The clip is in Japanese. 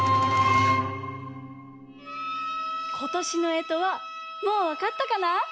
ことしのえとはもうわかったかな？